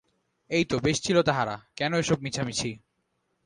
এই তো বেশ ছিল তাহারা, কেন এসব মিছামিছি।